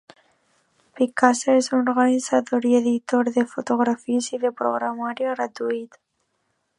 Picasa és un organitzador i editor de fotografies de programari gratuït.